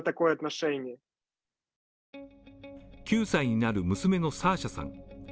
９歳になる娘のサーシャさん。